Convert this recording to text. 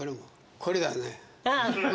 これだね。